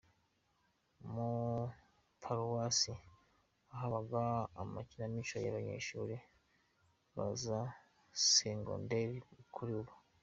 mu paruwasi ahabaga amakinamico yabanyeshuri ba za segonderi kuri ubu.